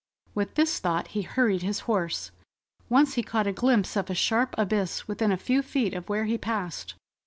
With this thought, he hurried his horse. Once he caught a glimpse of a sharp abyss within a few feet of where he passed.